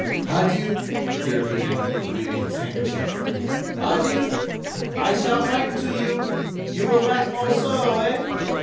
"Adieu," he repeated, waving his handkerchief. "Adieu.... I shall write to you.... You will write also, eh?